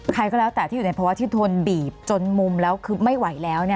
ใครก็แล้วแต่ที่อยู่ในภาวะที่ทนบีบจนมุมแล้วคือไม่ไหวแล้ว